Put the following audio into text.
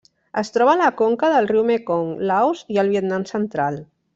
Es troba a la conca del riu Mekong, Laos i el Vietnam central.